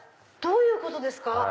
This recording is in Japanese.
どういうことですか？